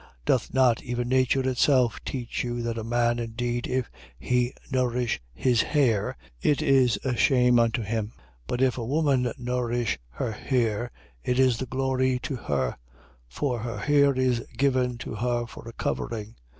Doth not even nature itself teach you that a man indeed, if he nourish his hair, it is a shame unto him? 11:15. But if a woman nourish her hair, it is a glory to her; for her hair is given to her for a covering.